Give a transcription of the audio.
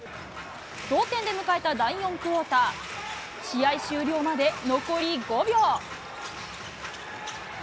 同点で迎えた第４クオーター、試合終了まで残り５秒。